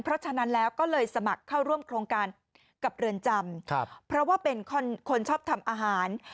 เพราะฉะนั้นแล้วก็เลยสมัครเข้าร่วมโครงการกับเรือนจำเพราะว่าเป็นคนชอบทำอาหาร